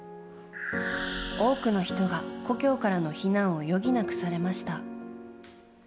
多くの人が故郷からの避難を余儀なくされました。